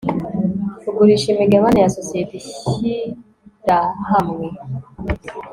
kugurisha imigabane ya sosiyete ishyirahamwe